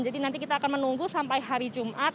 jadi nanti kita akan menunggu sampai hari jumat